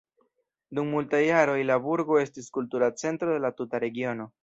Dum multaj jaroj la burgo estis kultura centro de la tuta regiono.